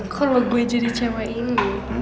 kalau gue jadi cewek ini